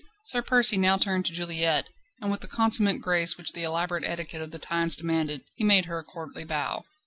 Sir Percy now turned to Juliette, and with the consummate grace which the elaborate etiquette of the times demanded, he made her a courtly bow.